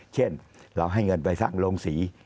เช่นเราให้เงินไปสร้างโรงสี